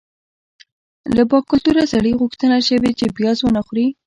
له باکلتوره سړي غوښتنه شوې چې پیاز ونه خوري.